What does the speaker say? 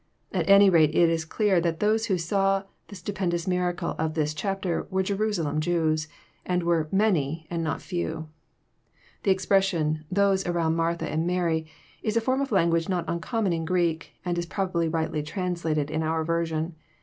At any rate it is clear that those who saw the stupendous mira cle of this chapter were Jerusalem Jews, and were " mauy, and not few. — The expression, " Those around Martha and Mary," is a form of language not uncommon in Greek, and is probably rightly translated in our version.